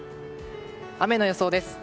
雨の予想です。